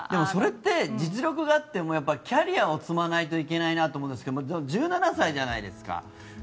それって実力があってもキャリアを積まないといけないなと思うんですが１７歳じゃないですか。